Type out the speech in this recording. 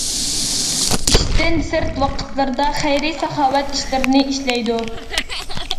ئىشتىن سىرت ۋاقىتلىرىدا خەيرى-- ساخاۋەت ئىشلىرىنى ئىشلەيدۇ.